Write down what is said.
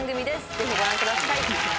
ぜひご覧ください。